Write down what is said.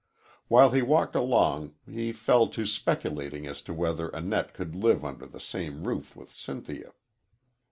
While he walked along he fell to speculating as to whether Annette could live under the same roof with Cynthia.